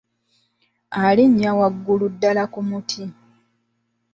Alinya waggulu ddala ku muti.